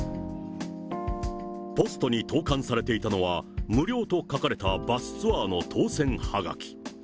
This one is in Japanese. ポストに投かんされていたのは、無料と書かれたバスツアーの当せんはがき。